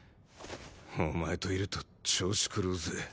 お前といると調子狂うぜ。